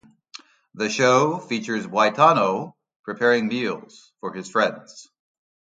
The show features Boitano preparing meals for his friends.